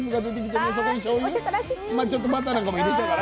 まあちょっとバターなんかも入れちゃうかな。